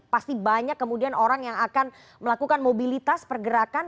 pasti banyak kemudian orang yang akan melakukan mobilitas pergerakan